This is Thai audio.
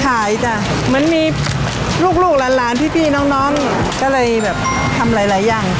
ขายจ้ะเหมือนมีลูกร้านพี่น้องก็เลยทำหลายอย่าง